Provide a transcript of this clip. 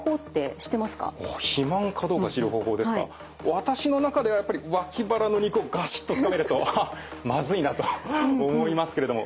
私の中ではやっぱり脇腹の肉をガシッとつかめるとあっまずいなと思いますけれども。